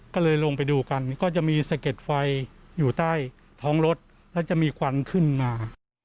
ก็เลยลงไปดูกันก็จะมีสะเก็ดไฟอยู่ใต้ท้องรถแล้วจะมีควันขึ้นมา